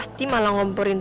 sebenarnya gua gak mau liv